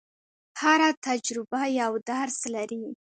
هره تجربه یو درس لري.